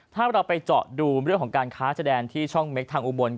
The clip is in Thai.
ถ้าเราไปเจาะดูเรื่องของการค้าแสดงที่ช่องเมคทางอุบล